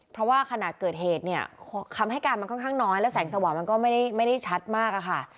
เพราะว่าขณะเกิดเหตุเนี่ยคำให้การมันค่อนข้างน้อยและแสงสว่างมันก็ไม่ได้ชัดมากอะค่ะ